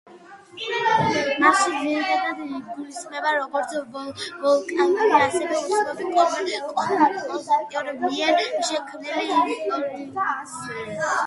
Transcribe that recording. მასში ძირითადად იგულისხმება როგორც ვოკალური, ასევე უცნობ კომპოზიტორთა მიერ შექმნილი ინსტრუმენტული ნაწარმოებები.